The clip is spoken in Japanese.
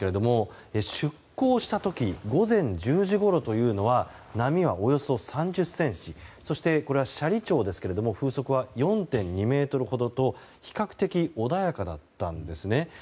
出航した時午前１０時ごろというのは波はおよそ３０ｃｍそして、斜里町ですけども風速は４．２メートルほどと比較的穏やかだったんです。